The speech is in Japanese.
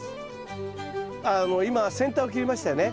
今先端を切りましたよね。